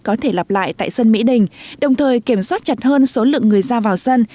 có thể lặp lại tại sân mỹ đình đồng thời kiểm soát chặt hơn số lượng người ra vào sân